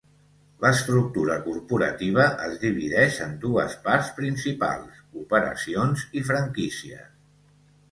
L'estructura corporativa es divideix en dues parts principals: operacions i franquícies.